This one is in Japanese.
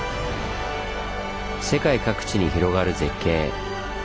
世界各地に広がる絶景。